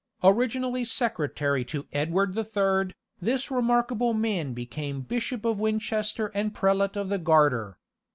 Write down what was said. Originally secretary to Edward the Third, this remarkable man became Bishop of Winchester and prelate of the Garter.